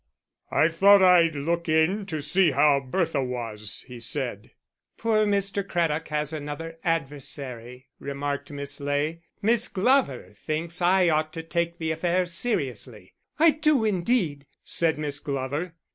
"I thought I'd look in to see how Bertha was," he said. "Poor Mr. Craddock has another adversary," remarked Miss Ley. "Miss Glover thinks I ought to take the affair seriously." "I do, indeed," said Miss Glover.